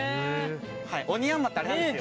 オニヤンマってあれなんですよ。